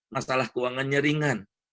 masalah keuangannya ringan